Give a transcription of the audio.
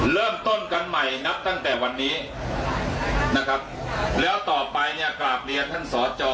เริ่มต้นกันใหม่นับตั้งแต่วันนี้นะครับแล้วต่อไปเนี่ยกราบเรียนท่านสอจอ